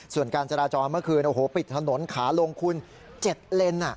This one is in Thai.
ส่วนการจราจรเมื่อคืนโอ้โหปิดถนนขาลงคุณ๗เลน